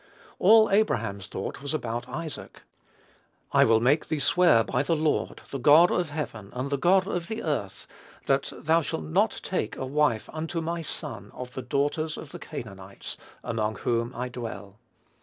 All Abraham's thought was about Isaac. "I will make thee swear by the Lord, the God of heaven, and the God of the earth, that thou shalt not take a wife unto my son of the daughters of the Canaanites, among whom I dwell."